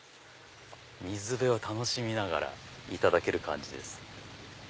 水辺を楽しみながらいただける感じです。